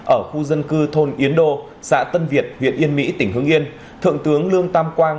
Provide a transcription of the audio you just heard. ở khu dân cư thôn yến đô xã tân việt huyện yên mỹ tỉnh hương yên thượng tướng lương tam quang